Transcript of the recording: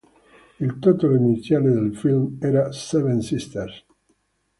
Il titolo iniziale del film era "Seven Sisters".